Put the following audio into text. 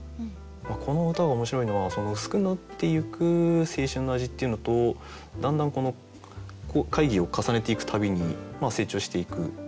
この歌が面白いのはうすくなっていく青春の味っていうのとだんだん会議を重ねていくたびに成長していく。